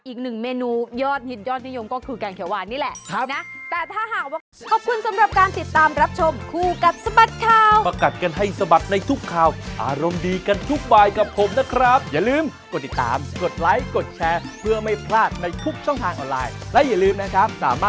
อีกหนึ่งเมนูยอดฮิตยอดนิยมก็คือแกงเขียวหวานนี่แหละ